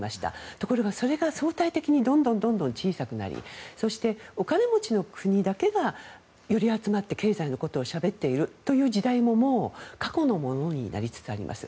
ところがそれが相対的にどんどん小さくなりそして、お金持ちの国だけが寄り集まって経済のことをしゃべっているという時代ももう、過去のものになりつつあります。